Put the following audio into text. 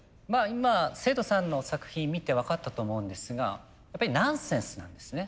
今生徒さんの作品見て分かったと思うんですがやっぱりナンセンスなんですね。